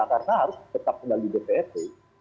karena harus tetap melalui dprp